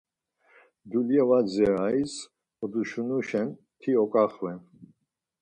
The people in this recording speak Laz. Dulya var dzirayiz oduşunuşen ti oǩaxven.